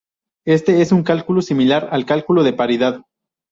Este es un cálculo similar al cálculo de paridad.